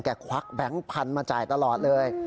ควักแบงค์พันธุ์มาจ่ายตลอดเลย